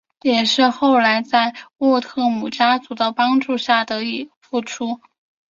后来也是在沃特姆家族的帮助下得以复出。